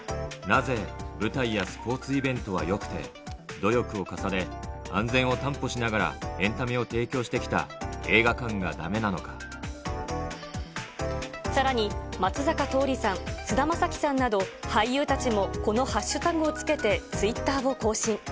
なぜ舞台やスポーツイベントはよくて、努力を重ね、安全を担保しながらエンタメを提供してきさらに、松坂桃李さん、菅田将暉さんなど俳優たちも、このハッシュタグをつけて、ツイッターを更新。